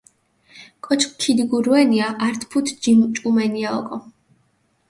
კოჩ ქიდიგურუენია ართ ფუთ ჯიმ ჭკუმენია ოკო.